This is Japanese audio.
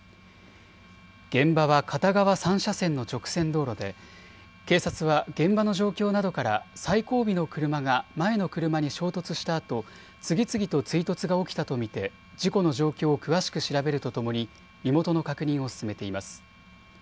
現場は片側３車線の直線道路で警察は現場の状況などから最後尾の車が前の車に衝突したあと、次々と追突が起きたと見て事故の状況を詳しく調べるとともに身元の確認を進めています。